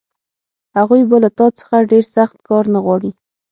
هغوی به له تا څخه ډېر سخت کار نه غواړي